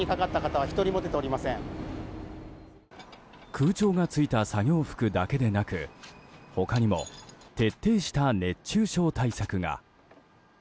空調がついた作業服だけでなく他にも徹底した熱中症対策が。